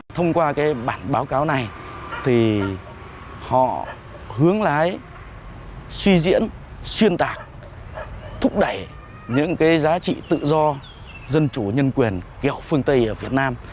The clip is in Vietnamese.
thông qua bản báo cáo này họ hướng lái suy diễn xuyên tạc thúc đẩy những giá trị tự do dân chủ nhân quyền kiểu phương tây ở việt nam